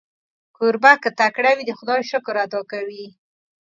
کوربه که تکړه وي، د خدای شکر ادا کوي.